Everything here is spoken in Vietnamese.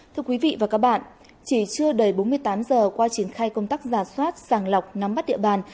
thưa quý vị và các bạn chỉ chưa đầy bốn mươi tám giờ qua triển khai công tác giả soát sàng lọc nắm bắt địa bàn